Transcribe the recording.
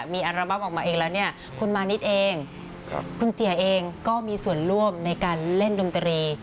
มีอัลบั้มออกมาเองแล้วเนี่ยคุณมานิดเองคุณเตี๋ยเองก็มีส่วนร่วมในการเล่นดนตรี